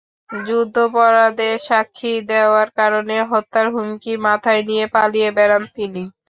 যুদ্ধাপরাধের সাক্ষী দেওয়ার কারণে হত্যার হুমকি মাথায় নিয়ে পালিয়ে বেড়ান তিনি।